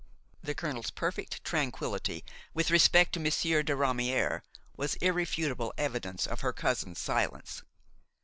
The colonel's perfect tranquility with respect to Monsieur de Ramière was irrefutable evidence of his cousin's silence.